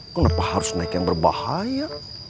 kenapa harus naik yang berbahaya